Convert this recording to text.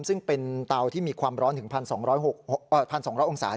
ซึ่งเป็นเตาที่มีความร้อนถึง๑๒๐๐องศา